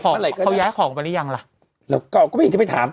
เมื่อไหร่ก็ได้เขาย้ายของไปหรือยังล่ะแล้วก็ก็ไม่ได้ไปถาม